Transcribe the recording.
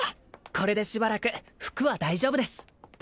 これでしばらく服は大丈夫です